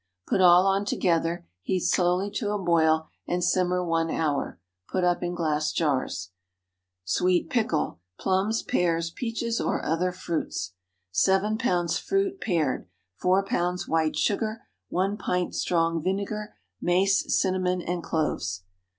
Put all on together, heat slowly to a boil, and simmer one hour. Put up in glass jars. SWEET PICKLE—PLUMS, PEARS, PEACHES, OR OTHER FRUITS. ✠ 7 lbs. fruit, pared. 4 lbs. white sugar. 1 pint strong vinegar. Mace, cinnamon, and cloves.